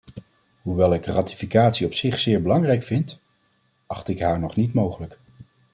Hoewel ik ratificatie op zich zeer belangrijk vind, acht ik haar nog niet mogelijk.